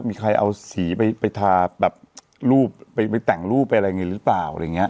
มีใครเอาสีไปไปทาแบบรูปไปไปแต่งรูปไปอะไรอย่างงี้หรือเปล่า